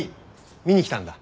見に来たんだ？